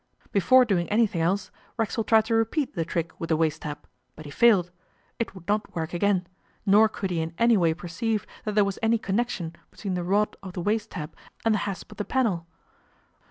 Before doing anything else, Racksole tried to repeat the trick with the waste tap, but he failed; it would not work again, nor could he in any way perceive that there was any connection between the rod of the waste tap and the hasp of the panel.